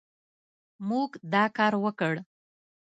موږ دا کار وکړ